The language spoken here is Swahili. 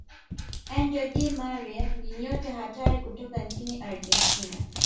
angel Di Maria ni nyota hatari kutoka nchini argentina